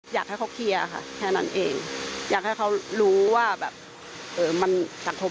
อยากให้เขาเคลียร์ค่ะแค่นั้นเองอยากให้เขารู้ว่าแบบเอ่อมันสังคม